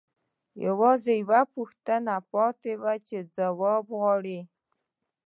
یوازې یوه پوښتنه پاتې وه چې ځواب غواړي